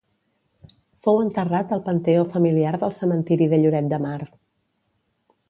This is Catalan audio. Fou enterrat al panteó familiar del cementiri de Lloret de Mar.